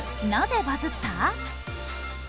なぜバズった？